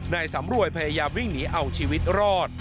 นายสำรวยพยายามวิ่งหนีเอาชีวิตรอด